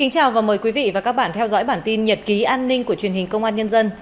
chào mừng quý vị đến với bản tin nhật ký an ninh của truyền hình công an nhân dân